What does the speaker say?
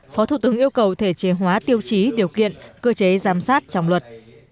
phó thủ tướng yêu cầu thể chế hóa tiêu chí điều kiện cơ chế giám sát trong luật